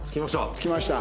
つきました。